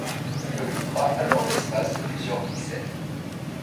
Il occupera alors l'espace de plusieurs pixels.